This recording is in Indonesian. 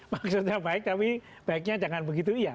maksudnya baik tapi baiknya jangan begitu iya